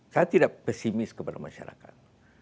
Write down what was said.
saya tidak pesimis kepada masyarakat